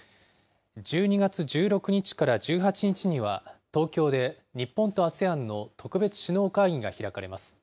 １２月１６日から１８日には、東京で日本とＡＳＥＡＮの特別首脳会議が開かれます。